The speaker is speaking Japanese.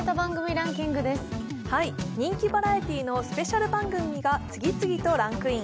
人気バラエティーのスペシャル番組が次々とランクイン。